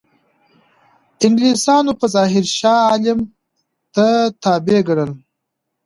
انګلیسانو په ظاهره شاه عالم ته تابع ګڼل.